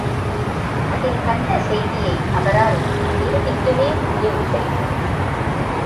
அதில் கண்ட செய்தியை அவரால் ஜீரணிக்கவே முடியவில்லை.